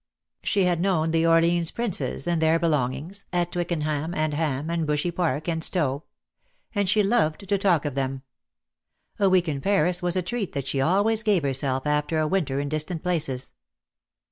She had known the Orleans Princes and their belongings, at Twickenham and Ham, and Bushey Park, and Stowe; and she loved to talk of them. A week in Paris was a treat that she always gave herself after a winter in distant places.